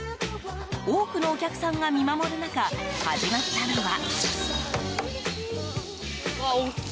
多くのお客さんが見守る中始まったのは。